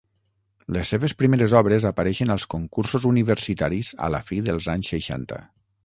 Les seves primeres obres apareixen als concursos universitaris a la fi dels anys seixanta.